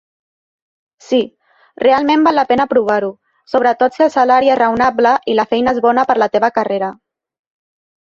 Sí, realment val la pena provar-ho, sobretot si el salari és raonable i la feina és bona per a la teva carrera.